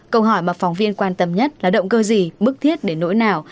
câu hỏi mà phóng viên quan tâm nhất là động cơ gì bức thiết để nỗi nào